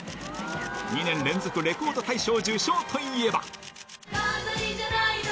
２年連続レコード大賞受賞といえば。